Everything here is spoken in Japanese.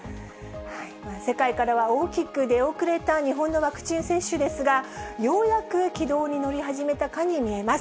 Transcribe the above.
世界からは大きく出遅れた日本のワクチン接種ですが、ようやく軌道に乗り始めたかに見えます。